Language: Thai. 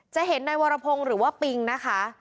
จะเห็นที่ในวรพงศ์หรือว่าภิ้งนะคะ